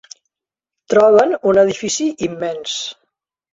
Troben un edifici immens.